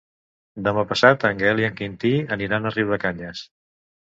Demà passat en Gaël i en Quintí aniran a Riudecanyes.